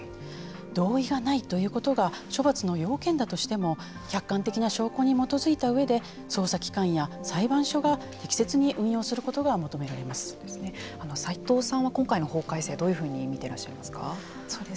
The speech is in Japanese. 同意がないということが処罰の要件だとしても客観的な証拠に基づいた上で捜査機関や裁判所が適切に運用することが齋藤さんは今回の法改正をどういうふうに見ていらっしゃいますか。